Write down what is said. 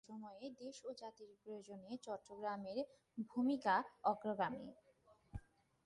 যে কোনো সময়ে দেশ ও জাতির প্রয়োজনে চট্টগ্রামের ভ‚মিকা অগ্রগামী।